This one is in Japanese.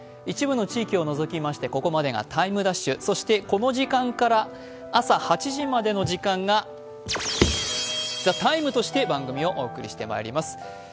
一部の地域を除きましてここまでが「ＴＩＭＥ’」、そしてこの時間から朝８時までの時間が「ＴＨＥＴＩＭＥ，」として番組をお送りしてまいります。